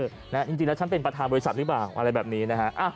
จริงแล้วฉันเป็นประธานบริษัทหรือเปล่าอะไรแบบนี้นะฮะ